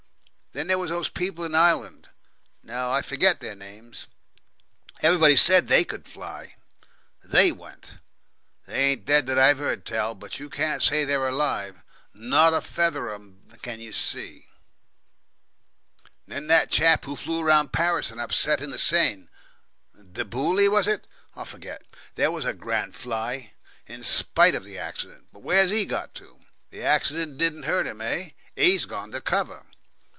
Then there was those people in Ireland no, I forget their names. Everybody said they could fly. THEY went. They ain't dead that I've heard tell; but you can't say they're alive. Not a feather of 'em can you see. Then that chap who flew round Paris and upset in the Seine. De Booley, was it? I forget. That was a grand fly, in spite of the accident; but where's he got to? The accident didn't hurt him. Eh? 'E's gone to cover."